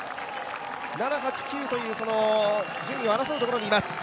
７、８、９というその順位を争うところにいます。